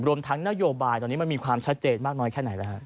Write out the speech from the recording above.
รวมทั้งนโยบายตอนนี้มันมีความชัดเจนมากน้อยแค่ไหนแล้วฮะ